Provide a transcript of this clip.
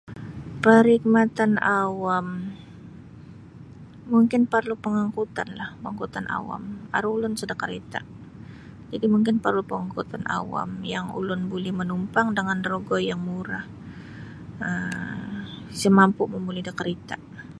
Parkhidmatan awam mungkin perlu pengangkutan lah pengangkutan awam aru ulun sada karita jadi mungkin parlu pengangkutan awam yang ulun buli mamumpang dengan rogo yang murah um isa mampu momoli da karita.